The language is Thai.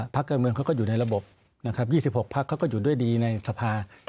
พักการเมืองเขาก็อยู่ในระบบนะครับ๒๖พักเขาก็อยู่ด้วยดีในสภา